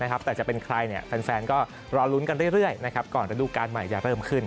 แต่จะเป็นใครแฟนก็รอลุ้นกันเรื่อยก่อนระดูการใหม่จะเริ่มขึ้น